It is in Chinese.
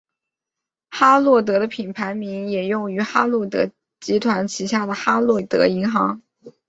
哈洛德的品牌名也用于哈洛德集团旗下的哈洛德银行。